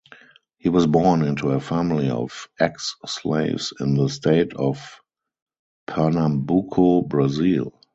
He was born into a family of ex-slaves in the state of Pernambuco, Brazil.